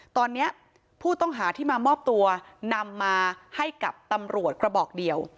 ตอนนี้ผู้ต้องหาที่มามอบตัวนำมาให้กับตำรวจกระบอกเดียว